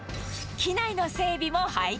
機内の整備も拝見。